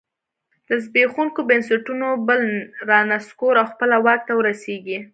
له زبېښونکو بنسټونو بل رانسکور او خپله واک ته ورسېږي